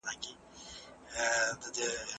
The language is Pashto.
که ته وخت لري نو په کور کي تازه خوراک تیار کړه.